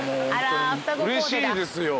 うれしいですよ。